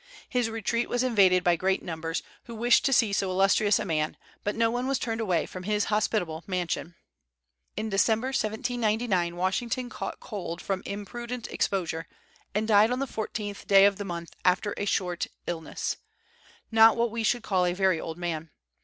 His retreat was invaded by great numbers, who wished to see so illustrious a man, but no one was turned away from his hospitable mansion. In December, 1799, Washington caught cold from imprudent exposure, and died on the 14th day of the month after a short illness, not what we should call a very old man.